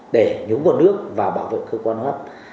để nhúng vào nước và bảo vệ cơ quan hấp